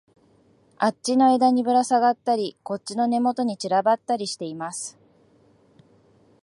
あっちの枝にぶらさがったり、こっちの根元に散らばったりしています